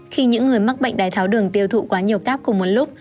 khi những người mắc bệnh đai tháo đường tiêu thụ quá nhiều cáp cùng một lúc